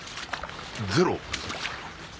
ゼロ？